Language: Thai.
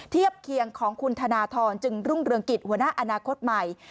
เทียบเคียงของคุณธนทรจึงรุ่งเรืองกิจหัวหน้าอนาคตใหม่